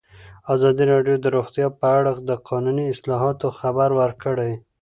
ازادي راډیو د روغتیا په اړه د قانوني اصلاحاتو خبر ورکړی.